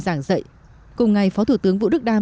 giảng dạy cùng ngày phó thủ tướng vũ đức đam